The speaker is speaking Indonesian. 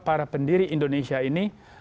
para pendiri indonesia ini